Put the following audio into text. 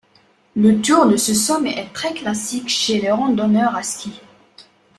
Le tour de ce sommet est très classique chez les randonneurs à ski.